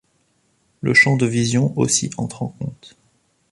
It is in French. Le champ de vision aussi entre en compte.